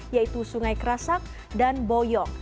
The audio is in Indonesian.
yaitu sungai kerasak dan boyong